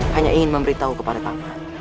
hanya ingin memberitahu kepada tangan